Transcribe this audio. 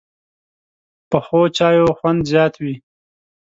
پخو چایو خوند زیات وي